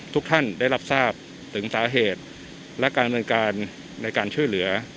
ทุกท่านได้รับทราบถึงสาเหตุและการดำเนินการในการช่วยเหลือ